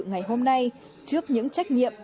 ngày hôm nay trước những trách nhiệm